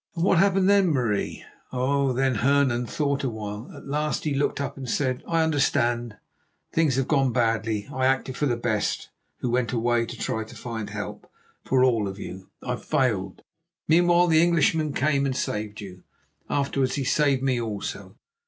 '" "And what happened then, Marie?" "Oh, then Hernan thought a while. At last he looked up and said: 'I understand. Things have gone badly. I acted for the best, who went away to try to find help for all of you. I failed. Meanwhile the Englishman came and saved you. Afterwards he saved me also.